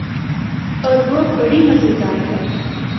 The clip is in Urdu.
اوروہ بڑی مزیدار ہے۔